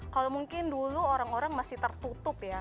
kalau mungkin dulu orang orang masih tertutup ya